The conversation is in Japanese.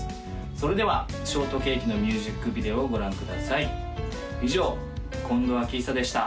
それでは「ショートケーキ」のミュージックビデオをご覧ください以上近藤晃央でした